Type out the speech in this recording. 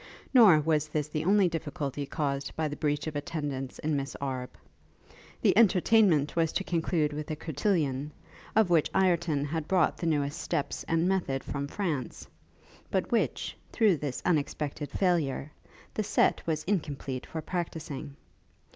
Nor was this the only difficulty caused by the breach of attendance in Miss Arbe. The entertainment was to conclude with a cotillon, of which Ireton had brought the newest steps and method from France, but which, through this unexpected failure, the sett was incomplete for practising.